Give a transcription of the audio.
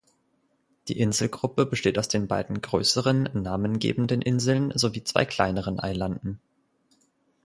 Die Inselgruppe besteht aus den beiden größeren, namengebenden Inseln sowie zwei kleineren Eilanden.